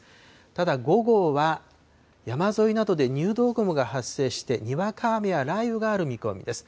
ただ午後は、山沿いなどで入道雲が発生して、にわか雨や雷雨がある見込みです。